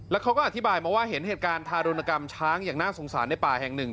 แล้วเขาก็อธิบายมาว่าเห็นเหตุการณ์ทารุณกรรมช้างอย่างน่าสงสารในป่าแห่งหนึ่ง